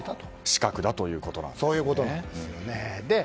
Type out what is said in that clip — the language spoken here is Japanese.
死角だということですね。